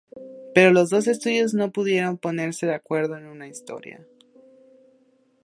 Pero los dos estudios no pudieron ponerse de acuerdo en una historia.